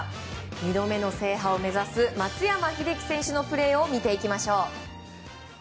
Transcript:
２度目の制覇を目指す松山英樹選手のプレーを見ていきましょう。